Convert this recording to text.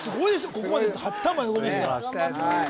ここまで８ターンまで残りましたからすみません